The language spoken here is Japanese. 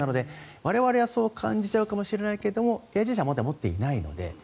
我々はそう感じてしまうかもしれないけどＡＩ自身はまだ持っていないので。